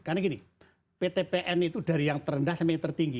karena gini ptpn itu dari yang terendah sampai yang tertinggi